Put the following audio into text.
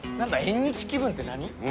縁日気分って何？